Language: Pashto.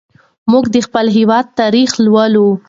موږ د خپل هېواد تاریخ لولو.